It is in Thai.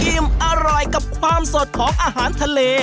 อิ่มอร่อยกับความสดของอาหารทะเล